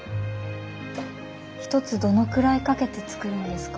一つどのくらいかけてつくるんですか？